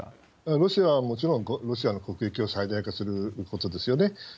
ロシアはもちろんロシアの国益を最大化することですよね。